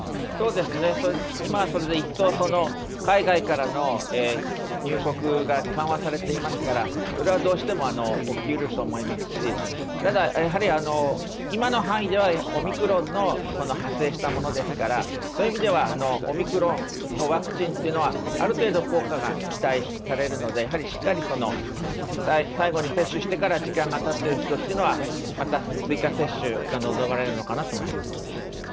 今それで一層、海外からの入国が緩和されていますから、それはどうしても起きうると思いますしただ今の範囲ではオミクロンの派生したものですからそういう意味ではオミクロンのワクチンというのはある程度効果が期待されるので、しっかり、最後に接種してから時間がたってる人っていうのはまた追加接種が望まれるのかなと思います。